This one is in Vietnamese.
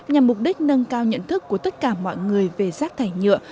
nhằm mục đích nâng cao nhận thức của tất cả mọi người về rác thải nhựa